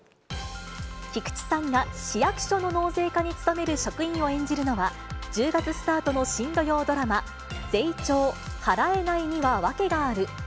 菊池さんが市役所の納税課に勤める職員を演じるのは、１０月スタートの新土曜ドラマ、ゼイチョー払えないにはワケがある。